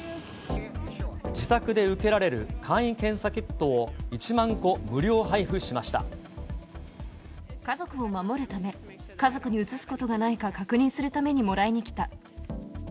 自宅で受けられる簡易検査キ家族を守るため、家族にうつすことがないか確認するためにもらいに来た。